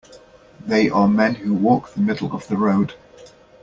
They are men who walk the middle of the road.